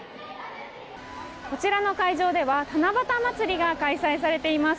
こちらの会場では七夕まつりが開催されています。